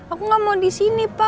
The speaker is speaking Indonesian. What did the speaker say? aku gak mau disini pak